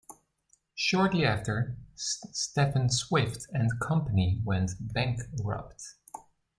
Shortly after, Stephen Swift and Company went bankrupt.